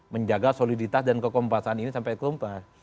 menjaga soliditas dan kekompasan ini sampai kompas